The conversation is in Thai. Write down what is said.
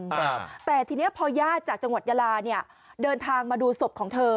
ครับแต่ทีเนี้ยพอญาติจากจังหวัดยาลาเนี่ยเดินทางมาดูศพของเธอ